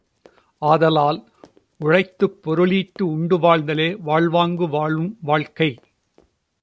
ஆதலால், உழைத்துப் பொருளீட்டி உண்டு வாழ்தலே வாழ்வாங்கு வாழும் வாழ்க்கை.